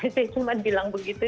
saya cuman bilang begitu